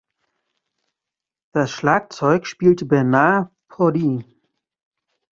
Das Schlagzeug spielte Bernard Purdie.